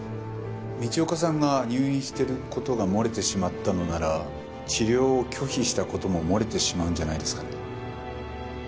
道岡さんが入院してる事が漏れてしまったのなら治療を拒否した事も漏れてしまうんじゃないですかね。